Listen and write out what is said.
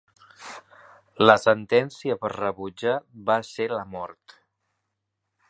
La sentencia per rebutjar va ser la mort.